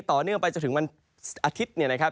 ต่อเนื่องไปจนถึงวันอาทิตย์เนี่ยนะครับ